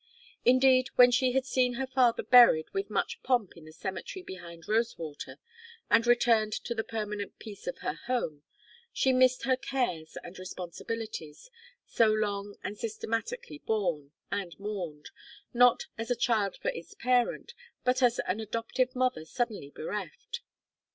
Indeed, when she had seen her father buried with much pomp in the cemetery behind Rosewater, and returned to the permanent peace of her home, she missed her cares and responsibilities, so long and systematically borne, and mourned, not as a child for its parent, but as an adoptive mother suddenly bereft.